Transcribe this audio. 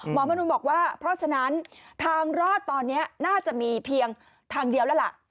มนุนบอกว่าเพราะฉะนั้นทางรอดตอนนี้น่าจะมีเพียงทางเดียวแล้วล่ะ